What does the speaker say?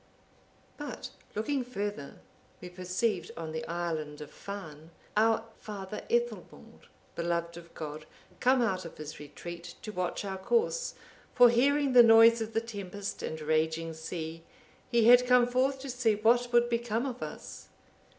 But looking further, we perceived, on the island of Farne, our father Ethelwald, beloved of God, come out of his retreat to watch our course; for, hearing the noise of the tempest and raging sea, he had come forth to see what would become of us.